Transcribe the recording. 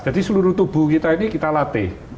jadi seluruh tubuh kita ini kita latih